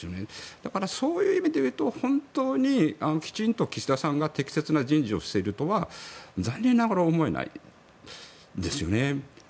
だからそういう意味で言うと本当にきちんと岸田さんが適切な人事をしているとは残念ながら思えないですよね。